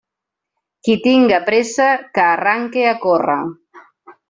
Qui tinga pressa que arranque a córrer.